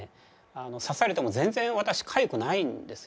刺されても全然私かゆくないんですよ。